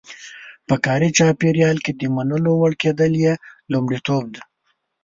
په کاري چاپېریال کې د منلو وړ کېدل یې لومړیتوب دی.